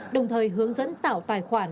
đồng thời hướng dẫn tạo tài khoản